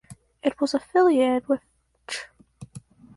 It was affiliated with Ch.